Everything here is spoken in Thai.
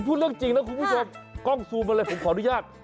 พูดเรื่องจริงนะคุณผู้ชมกล้องซูมมาเลยผมขออนุญาต